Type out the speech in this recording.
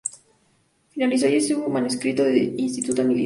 Finalizó allí su manuscrito de Instituta militar.